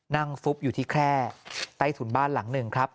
ฟุบอยู่ที่แคร่ใต้ถุนบ้านหลังหนึ่งครับ